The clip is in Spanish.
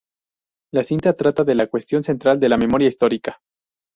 La cinta trata de "la cuestión central de la memoria histórica".